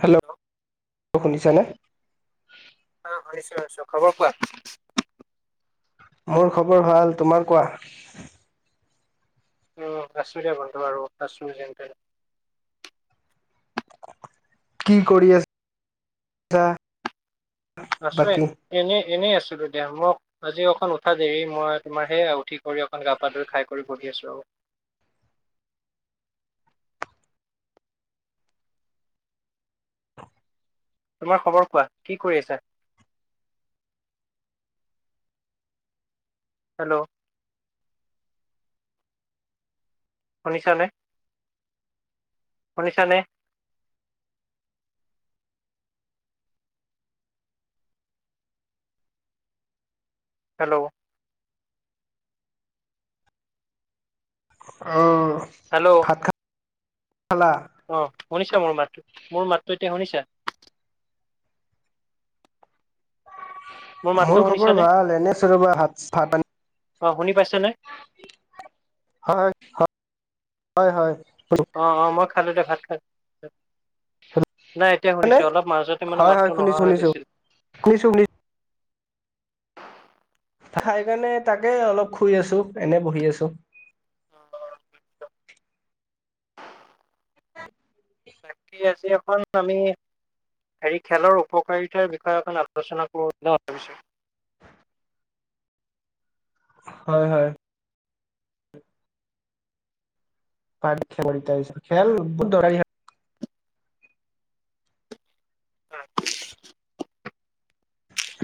Hello, শুনিছা নে? আহ শুনিছো শুনিছো, খবৰ কোৱা? মোৰ খবৰ ভাল। তোমাৰ কোৱা? অ, কাশ্মীৰে বন্ধ আৰু কাশ্মীৰ যেন তেন কি কৰি আছা? আছো বাকী? এনেই এনেই আছো দো মোক আজি অকন উঠা দেৰি মই তোমাৰ সেইয়া উঠি কৰি অকন গা পা ধই খাই কৰি বহি আছো আও [inaudible] তোমাৰ খবৰ কোৱা কি কৰি আছা? হেল্ল'? শুনিছানে? শুনিছানে? হেল্ল'। অ' হেল্ল' ভাত খ-খালা? অ, শুনিছা মোৰ মাতটো মোৰ মাতটো এতিয়া শুনিছা? মাতটো মোৰ খবৰ শুনিছানে ভাল এনে চ ৰবা ভাত ভাত প অ, শুনি পাইছ হয়, হয় হয়। অ-অ মই খালো দে ভাত খাই শুনিছানে? নাই এতিয়া শুনিছো অলপ মাজতে মানে হয়, হয়, মাতটো শুনিছোঁ, নোহোৱা হৈ শুনিছোঁ, গৈছিল। [inaudible] খাইকাৰণে তাকে অলপ শুই আছো এনে বহি আছো। অ, বাকী আজি এখন আমি হেৰি খেলৰ উপকাৰিতাৰ বিষয়ে অকন আলোচনা কৰো ন ভাবিছো। হয় হয়। পাৰী খ খেল বহুত দৰকাৰী হয়। [inaudible]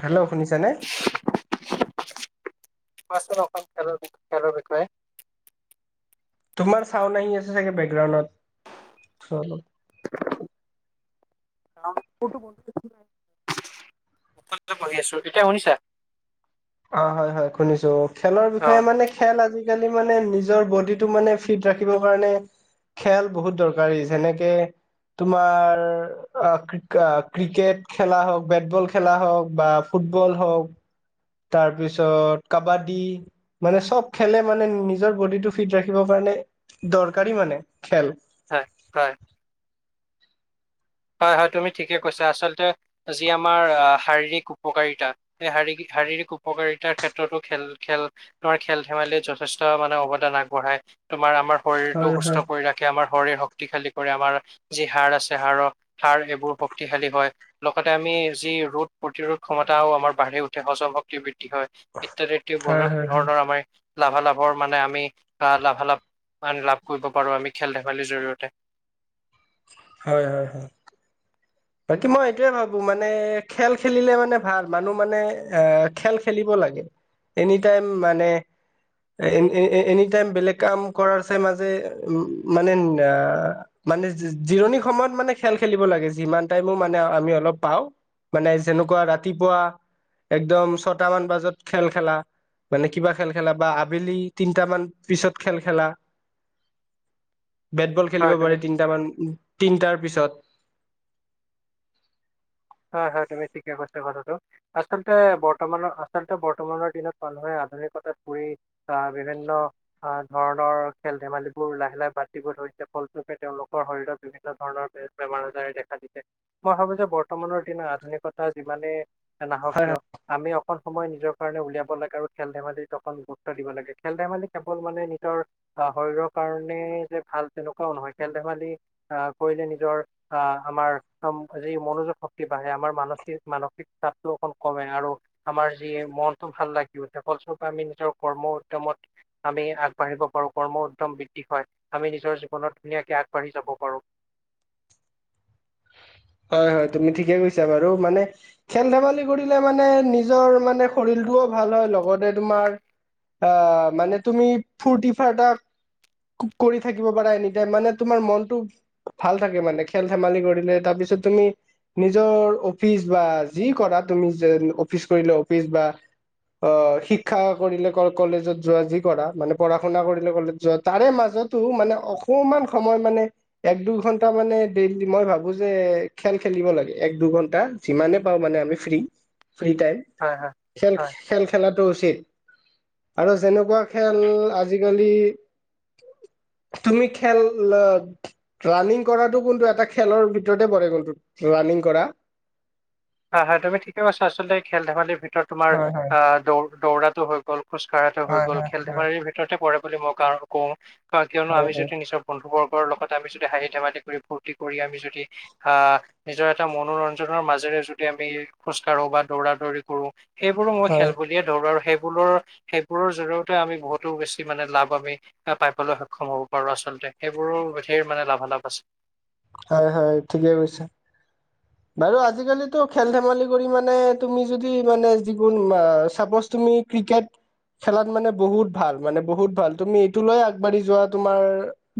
হেল্ল' শুনিছানে? কোৱাচোন অকণ খেলৰ খেলৰ বিষয়ে। তোমাৰ চাওন আহি আছে চাগে বেকগ্ৰাউডত, চ অলপ। [unintelligible] পঢ়ি আছো এতিয়া শুনিছা? অ, হয় হয় শুনিছো, খেলৰ অ বিষয়ে মানে খেল আজি মানে নিজৰ বডিটো মানে ফিত ৰাখিবৰ কাৰণে খেল বহুত দৰকাৰী যেনেকে তোমাৰ আ ক্ৰিক আ ক্ৰিকেট খেলা হওক, বেটবল খেলা হওক বা ফুটবল হওক তাৰপিছত কাবাডী মানে চ'ব খেলে মানে নিজৰ বডিটো ফিট ৰাখিব কাৰণে দৰকাৰী মানে খেল হয় হয়। হয় হয় তুমি ঠিকে কৈছা। আচলতে যি আমাৰ শাৰীৰিক উপকাৰিতা এই শাৰীৰিক শাৰীৰিক উপকাৰিতাৰ ক্ষেত্ৰতো খেল-খেল তোমাৰ খেল ধেমালি যথেষ্ট মানে অৱদান আগবঢ়ায়। তোমাৰ আমাৰ শৰীৰটো হয় হয় সুস্থ কৰি ৰাখে, আমাৰ শৰীৰ শক্তিশালী কৰে আমাৰ যি হাৰ আছে, হাড়ৰ সাৰ এইবোৰ শক্তিশালী হয়, লগতে আমি যি ৰোদ প্ৰতিৰোধ ক্ষমতাও আমাৰ বাঢ়ি উঠে। সজ হজম শক্তি বৃদ্ধি হয় ইত্যাদি এও হয় বহুত হয় হয় ধৰণৰ আমাৰ লাভালাভৰ মানে আমি আহ লাভালাভ আ লাভ কৰিব পাৰো আমি খেল ধেমালিৰ জৰিয়তে হয় হয় হয়। বাকী মই এইটোয়ে ভাবো মানে খেল খেলিলে মানে ভাল, মানুহ মানে এ খেল খেলিবলৈ লগে, এনিটাইম মানে এ-এ-এনি টাইম বেলেগ কাম কৰাৰ চাই মাজে উম মানে আহ মানে জিৰণি সময়ত মানে খেল খেলিব লাগে যিমান তাইমু মানে আমি অলপ পাওঁ, মাবে যেনেকুৱা ৰাতিপুৱা একদম ছটামান বাজত খেল খেলা। মানে কিবা খেল খেলা বা আবেলি তিনট মান পিছত খেল খেলা। বেটবল খেলিব হয় তুমি পাৰে তিনট মান তিনটাৰ পিছত। হয় হয় তুমি ঠিকে কৈছা কথাটো, আচলতে বৰ্তমানৰ আচলতে বৰ্তমানৰ দিনত মানুহে আধুনিকতাত পৰিু আহ বিভিন্ন আহ ধৰণৰ খেল ধেমালিবোৰ লাহে লাহে বাদ দিব ধৰি ফলস্বূপে তেওঁলোকৰ শৰীৰত বিভিন্ন ধৰণৰ বেমাৰ আজাৰ দেখা দিছে, মই ভাবো যে বৰ বৰ্তমানৰ দিনা আধুনিকতা যিমানেই নাহক কিয় আমি অকণ সময় নিজৰ কাৰণে উলিয়াব লাগে আৰু খেল ধেমালিত অকণ গুৰুত্ব দিব লাগে, খেল ধেমালি কেৱল মানে নিজৰ আহ শৰীৰৰ কাৰণে যে ভাল তেনেকুৱাও নহয়, খেল ধেমালি আহ কৰিলে নিজৰ আহ আমাৰ যি মনোযোগ শক্তি বাঢ়ে আমাৰ মানসিক-মানসিক চাপটো অকণ কমে আৰু আমাৰ যি মনটো ভাল লাগি উঠে। ফলস্বৰূপে আমি নিজৰ কৰ্ম উদ্যমত আমি আগবাঢ়িব পাৰো কৰ্ম উদ্যম বৃদ্ধি হয় আমি নিজ নিজৰ জীৱনত ধুনীয়াকে আগবাঢ়ি যাব পাৰো। [inaudible] হয়, হয়, তুমি ঠিকে কৈছা বাৰু মানে খেল ধোলি কৰিলে মানে নিজৰ মানে শৰীলটোও ভাল ভাল হয় লগতে তোমাৰ আহ মানে তুমি ফ্তি ফাৰ্তা কৰি থাকিব পাৰা এনিটাইম মানে তোমাৰ মনটো ভাল থাকে মানে খেল ধেমালি কৰিলে, তাৰপিছত তুমি নিজৰ অফিচ বা যি কৰা তুমি যে অফিচ কৰিলে অফিচ বা অ' শিক্ষা কৰিলে কলেজত যোৱা যি কৰা মানে পঢ়া শুনা কৰিলে কলেজত যোৱা তাৰে মাজত মাজতো মানে অকমান সময় মানে এক দুইঘন্টা মানে ডেইলি মই ভাবো যে খেল খেলিব লাগে এক দুঘণ্টা যিমানে পাওঁ মানে আমি ফ্ৰী। ফ্ৰী টাইম হয় হয় খেল হয় খেল খেলাত উচিত আৰু যেনেকুৱা খেল আজিকালি তুমি খেল আ, ৰাণিং কৰাটো কিন্ত এটা খেলৰ ভিতৰতে পৰে কন্তু ৰানিং কৰা। হয়, হয়, তুমি ঠিকে কৈছা আচলতে খেল ধেমালিৰ ভিতৰত তোমাৰ হয় হয় আ, দৌ দৌৰাটো হল গল খোজ কঢ়াটো হৈ হয় গ'ল, হয় খেল হয় ধেমালিৰ ভিতৰতে পৰে বুলি মই কাৰণ কওঁ। কিয়নো হয় আমি যদি নিজৰ বন্ধু বৰ্গ লগত আমি যদি হাঁহি ধেমালি কৰি, ফূৰ্তি কৰি, আমি যদি আ, নিজৰ এটা মনোৰঞ্জনৰ মাজেৰে যদি আমি খোজ কঢ়ো বা দৌৰা দৌৰি কৰো সেইবোৰো মই হয় খেল বুলিয়ে ধৰো আৰু সেই সেইবোৰৰ সেইবোৰৰ জৰিয়তে আমি বহুতো বেছি মানে লাভ আমি পাইবলৈ সক্ষম হ'ব পাৰো আচলতে। সেইবোৰো ধেৰ মানে লাভালাভ আছে। হয়, হয়, ঠিকেই কৈছা। বাৰু আজিকালিটো খেল ধেমালি কৰি মানে তুমি যদি মানে জীৱন ছাপ'জ তুমি ক্ৰিকেট। খেলাত মানে বহুত ভাল, মানে বহুত ভাল, তুমি এইটো লৈ আগবাঢ়ি যোৱা তোমাৰ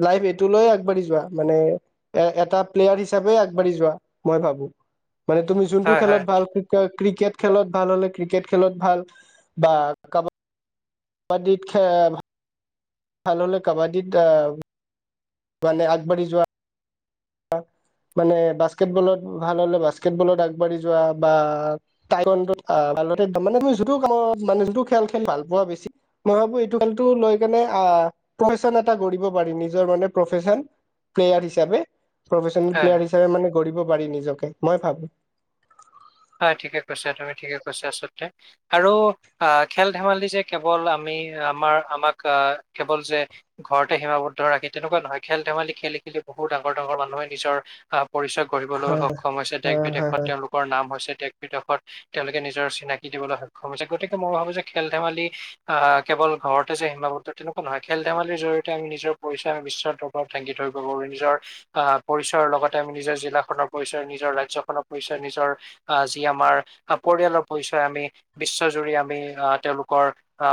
লাইফ এইটো লৈ আগবাঢ়ি যোৱা মানে এ, এটা প্লেয়াৰ হিচাপে আগবাঢ়ি যোৱা। মই ভাবো, মানে তুমি যোনটো হয় খেলত হয় ভাল ক্ৰিকয় ক্ৰিকেট খেলত ভাল হ'লে, ক্ৰিকেট খেলত ভাল বা কাবা পণ্ডিত খে ভাল হলে কাবাডীত আ, মানে আগবাঢ়ি যোৱা। অ', মানে বাস্কেটবলত ভাল হলে বাস্কেটবলত আগবাঢ়ি যোৱা বা টাই মানে তুমি যিটো কামত মানে যিটো খেল খেলি ভাল পোৱা বেছি, মই ভাবো এইটো খেলটো লৈ কেনে আ, আ, প্ৰফেচন এটা গঢ়িব পাৰি নিজৰ কাৰণে প্ৰফেচন প্লেয়াৰ হিচাপে। প্ৰফেচনেল হয় হয় প্লেয়াৰ হিচাপে মানে গঢ়িব পাৰি নিজকে মই ভাবো। হয়, ঠিকে কৈছা তুমি ঠিকে কৈছা আচলতে আৰু আ, খেল ধেমালি যে কেৱল আমি আমাৰ আমাক কেৱল যে ঘৰতে সীমাবদ্ধ ৰাখে তেনেকুৱা নহয় খেল ধেমালি খেলি বহুত ডাঙৰ ডাঙৰ মানুহে নিজৰ আ, পৰিচয় গঢ়িবলৈ হয় সক্ষম হৈছে, দেশ হয় হয় বিদেশত তেওঁলোকৰ নাম হৈছে। দেশ বিদেশত তেওঁলোকে নিজৰ চিনাকি দিবলৈ সক্ষম হৈছে, গতিকে মই ভাবো যে খেল ধেমালি আ, কেৱল ঘৰতে যে সীমাবদ্ধ তেনেকুৱা নহয়, খেল ধেমালিৰ জৰিয়তে আমি নিজৰ পৰিচয় আমি বিশ্বৰ দৰবাৰত ডাঙি ধৰি ব' পাৰিম। নিজৰ আ, পৰিচয়ৰ লগতে আমি নিজৰ জিলাখনৰ পৰিচয়, নিজৰ ৰাজ্যখনৰ পৰিচয়, নিজৰ আ, যি আমাৰ পৰিয়ালৰ পৰিচয় আমি বিশ্বজুৰি আমি আ, তেওঁলোকৰ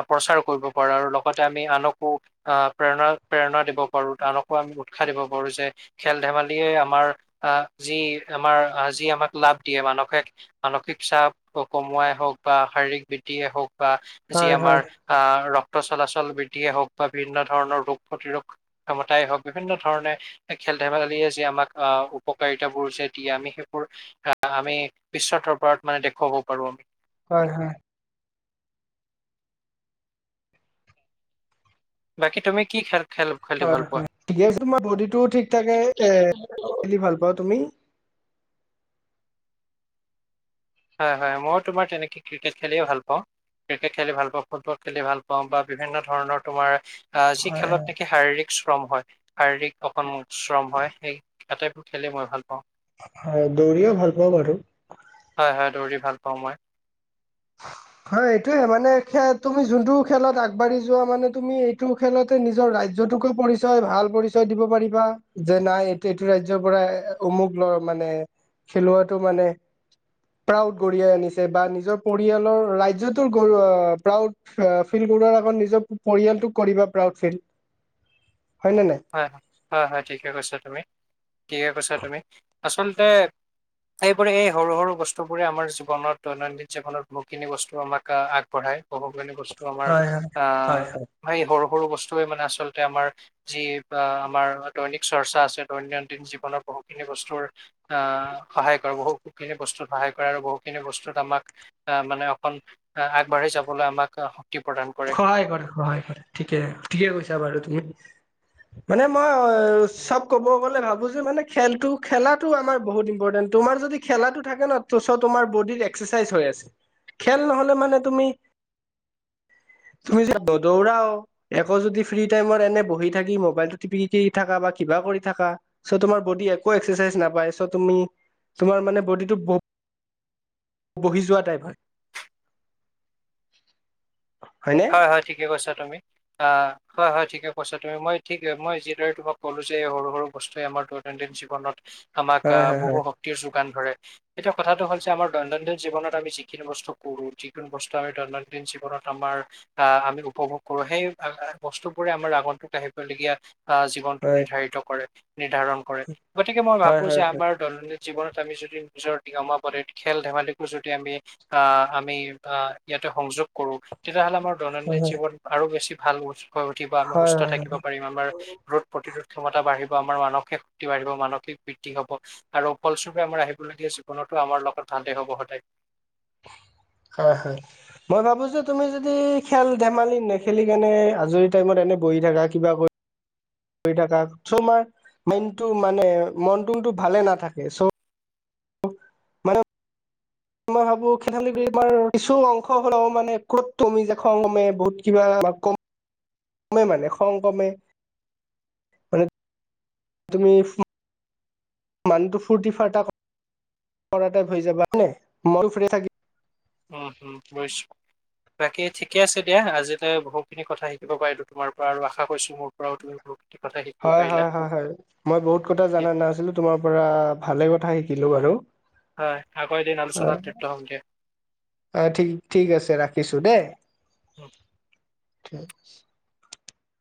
প্ৰচাৰ কৰিব পাৰো আৰু লগতে আমি আনকো অ, প্ৰেৰণা প্ৰেৰণা দিব পাৰো, আনকো আমি উৎসাহ দিব পাৰো। [unintelligible] খেল ধেমালিয়ে আমাৰ আ, যি আমাৰ আ, যি আমাক লাভ দিয়ে মানসে মানসিক চাপ কমোৱাই হওক বা শাৰীৰিক বৃদ্ধিয়ে হওক। বা যি হয় হয় আমাৰ হয় আ, চলাচল বৃদ্ধিয়ে হওক বা বিভিন্ন ধৰণৰ ৰোগ প্ৰতিৰোধ ক্ষমতাই হওক বিভিন্ন ধৰণে খে খেল ধেমালিয়ে যে আমাক আহ উপকাৰিতা বোৰ যে দিয়ে আমি সেইবোৰ আমি বিশ্বদৰবাৰত মানে দেখুৱাব পাৰো আমি। হয় হয়। বাকী তুমি কি খেল খেলি হয় ভাল পোৱা? হয় ঠিক তোমাৰ বডি টোও ঠিক থাকে এ খেলি ভাল [unintelligible] বাৰু তুমি হয়, হয়, মই তোমাৰ তেনেকে ক্ৰিকেট খেলিয়ে ভাল পাওঁ। ক্ৰিকেট খেলি ভাল পাওঁ, ফুটবল খেলি ভাল পাওঁ, বা বিভিন্ন ধৰণৰ তোমাৰ আ, যি হয় হয় খেলত নেকি শাৰীৰিক শ্ৰম হয় শাৰীৰিক অকণ শ্ৰম হয় সেই আটাইবোৰ খেলেই মই ভাল পাওঁ। অ, দৌৰয়ে ভাল পাওঁ বাৰু। হয়, হয়, দৌৰি ভাল পাওঁ মই। [inaudible] হয় এইটোয়ে মানে খ তুমি যোনটো খেলত আগবাঢ়ি যোৱা মানে তুমি এইটো খেলতে নিজৰ ৰাজ্ তোকে পৰিচয় ভাল পৰিচয় দিব পাৰিবা যে নাই এইটো এইটো ৰাজ্যৰ পৰা অমুক ল'ৰা মানে নে খেলুৱটো মানে প্ৰউড কঢ়িয়াই আনিছে বা নিজৰ পৰিয়ালৰ ৰাজ্যটোৰ প্ৰউড ফিল কৰোৱাৰ আগত নিজৰ পৰিয়ালোক কৰিব পা প্ৰাউড ফিল হয় নে নাই হয় হয় হয় হয় ঠিকে কৈছা তুমি ঠিকে কৈছা তুমি। আচলতে এইবোৰে এই সৰু সৰু বস্তুবোৰে আমাৰ জীৱনত দৈনন্দিন জীৱনত বহুখিনি বস্তু আমাক আগবঢ়ায়। বহুখিনি বস্তু আমাৰ হয় হয় আহ হয় হয় সেই সৰু সৰু বস্তুৱে মানে আচলতে আমাৰ-া যি আমাৰ দৈনিক চৰ্চা আছে দৈনন্দিন জীৱনৰ বহুখিনি বস্তুৰ আহ সহায় কৰে বহু খিনি বস্তুত সহায় কৰে আৰু বহু খিনি বস্তুত আমাক আহ মানে অকন আগবাঢ় যাবলৈ আমাক প্ৰদান কৰে। সহায় কৰে সহায় কৰে, ঠিকে ঠিকে কৈছা বাৰু তুমি। মানে মই অ চব ক'ব গলে ভাবোছো মানে খেলটো খেলাটো আমাৰ বহুত ইম্পৰ্টেণ্ তোমাৰ যদি খেলা থাকে ন তোমাৰ বডিৰ এক্সাৰচাইজ হৈ আছে। খেল নহলে মানে তুমি তুমি যদি দৌৰাও একো যদি ফ্ৰী টাইমত এনে বহি থাকি মোবাইলটো টিপি থকা বা কিবা কা কৰি থাকা চ' তোমাৰ বডি একো এক্সাৰচাইজ নাপায় চ' তুমি তোমাৰ মানে বডিটো বহ বহি যোৱা টাইপ হয়। হয়নে হয় হয় ঠিকে কৈছা তুমি। অ হয় হয় ঠিকে কৈছা তুমি মই ঠিক মই যিদৰে তোমাক ক'লো যে এই সৰু সৰু বস্তুৱে আমাৰ দত দৈনন্দিন জীৱনত আমাক হয় হয় বহু হয় শক্তিৰ যোগান ধৰে। এতিয়া কথাটো হল যে আমাৰ দৈনন্দিন জীৱনত আমি যিখিনি বস্তু কৰো যোন বস্তু আমি দৈনন্দিন জীৱনত আমাৰ আহ আমি উপভোগ কৰো সেই বস্তু বোৰে আমাৰ আগন্তুক আহিবলগীয়া আহ জীৱনটো হয় নিৰ্ধাৰিত কৰে নিৰ্ধাৰণ কৰে গতিকে মই হয় ভাবো হয় যে আমাৰ দৈনন্দিন জীৱনত আমি যদি নিজৰ নিয়মাৱলীত খেল ধেমালিকো যদি আমি আহ আমি আহ ইয়াত সংযোগ কৰো তেতিয়াহ'লে আমাৰ হয় হয় দৈনন্দিন হয় জীৱন আৰু বেছি ভাল হৈ উঠিব আমি হয় সুস্থ হয় থাকিব পাৰিম আমাৰ ৰোগ প্ৰতিৰোধ ক্ষমতা বাঢ়িব, আমাৰ মানসিক শক্তি বাঢ়িব, মানসিক বৃদ্ধি হব, আৰু ফলস্বূপে আমাৰ আহিবলগীয়া জীৱনত টো আমাৰ লগত ভালে হ'ব সদায়। [unintelligible] হয় হয় মই ভাবো যে তুমি যদি খেল ধেমালি নেখেলি কেনে আজৰি টাইমত এনে বহি থাকা কিবা কৰি কৰি থকা চ' মাৰ মাইণ্ডটো মানে মনটোতো ভালে নাথাকে চ' মানে [unintelligible] ভাবো খোলী আমাৰ কিছু অংশ হ'ল মানে ক'ত তমি য খমে বহুত কিবা কম [unintelligible] কমে মানে খং কমে। তুমি মানুহটো ফুৰ্তি ফাৰ্তা কৰাটাইপ হৈ যাবা হয় নে মই ফ্ৰ থাকিম। উম, উম গৈছো। বাকী ঠিকে আছে দিয়া আজিলে বহুতখিনি কথা শিকিব পাৰিলো তোমাৰ পৰা আৰু আশা কৰিছো মোৰ পৰাও তুমি বহুতখিন হয়, হয়, হয়, হয়, মই, বহুত কথা ঠিক জানা নাছিলো তোমাৰ পৰা ভালে কথা শিকিলো বাৰু। হয় আকৌ এদিন আলোছনাত জৰিত হম দিয়া। অ' ঠিক ঠিক আছে ৰাখিছো দেই। উম।